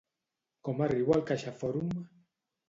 Com arribo al CaixaForum?